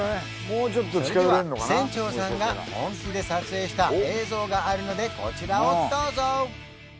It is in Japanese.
それでは船長さんが本気で撮影した映像があるのでこちらをどうぞ！